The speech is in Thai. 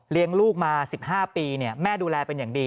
ลูกมา๑๕ปีแม่ดูแลเป็นอย่างดี